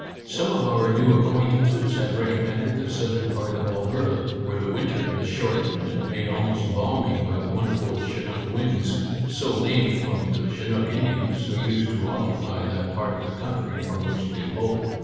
Some of our new acquaintances have recommended the southern part of Alberta, where the winter is shortened and made almost balmy by the won derful chinook winds — so named from the Chinook Indians, who used to occupy that 42 Our Little Canadian Cousin part of the country from which they blow.